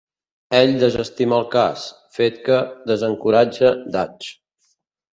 Ell desestima el cas, fet que desencoratja Dutch.